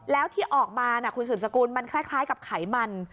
แล้วที่ออกมาคุณสืบสกุลมันคล้ายกับไขมัน